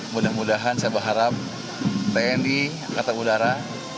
mudah mudahan saya berharap tni angkatan udara